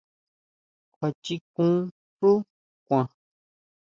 ¿Kjuachikun xu kuan?